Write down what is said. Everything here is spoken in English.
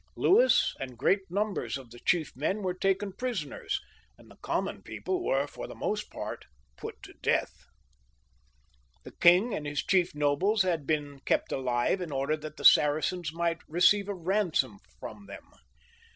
Louis and great numbers of the chief men were taken prisoners, and the common people were, for the most part, put to death. The king and his chief nobles had been kept alive in order that the Saracens might receive a ransom from them.